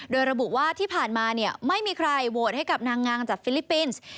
โดยระบุว่าที่ผ่านมาไม่มีใครโหวตให้กับนางงามจากฟิลิปปินส์